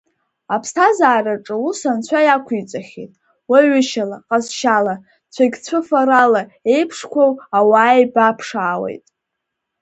Аԥсҭазаараҿы ус Анцәа иақәиҵахьеит, уаҩышьала, ҟазшьала, цәагьцәыфарала еиԥшқәоу ауаа еибаԥшаауеит.